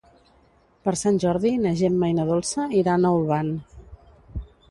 Per Sant Jordi na Gemma i na Dolça iran a Olvan.